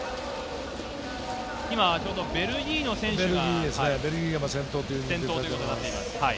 今、ベルギーの選手が先頭ということになっています。